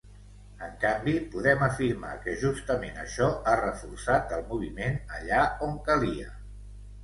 En canvi, podem afirmar que justament això ha reforçat el moviment allà on calia.